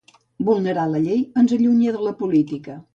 Vulnerar la llei ens allunya de la política.